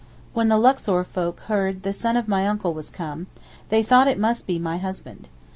When the Luxor folk heard the 'son of my uncle' was come, they thought it must be my husband.